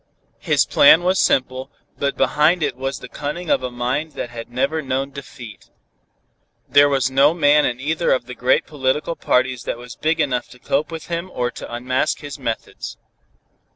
His plan was simple, but behind it was the cunning of a mind that had never known defeat. There was no man in either of the great political parties that was big enough to cope with him or to unmask his methods.